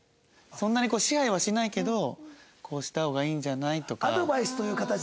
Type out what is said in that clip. そんなにこう支配はしないけど「こうした方がいいんじゃない？」とか。